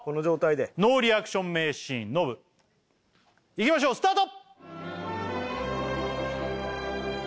ノーリアクション名シーンノブいきましょうスタート！